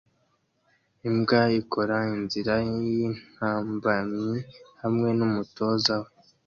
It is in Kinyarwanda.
Imbwa ikora inzira yintambamyi hamwe numutoza we